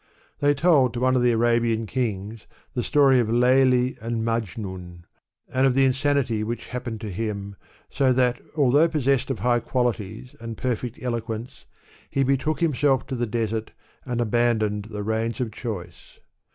They told to one of the Arabian kings the story of Laili and Majnun, and of the insanity which happened to him, so that, although possessed of high qualities and perfect eloquence, he betook himself to the desert and abandoned the reins of choice.